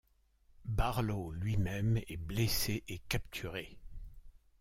Barlow lui-même est blessé et capturé.